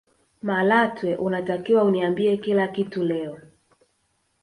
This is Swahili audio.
malatwe unatakiwa uniambie kila kitu leo